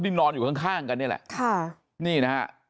ที่นอนอยู่ข้างกันนี่แหละค่ะนี่นะฮะ